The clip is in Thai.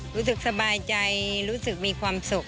รู้สึกสบายใจรู้สึกมีความสุข